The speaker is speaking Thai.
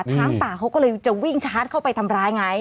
ช้างป่าเขาก็เลยจะวิ่งชาร์จเข้าไปทำร้ายไง